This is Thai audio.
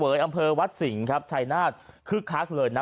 บริเวณอำเภอวัดสิงครับชัยนาธิ์คึกคักเลยนะ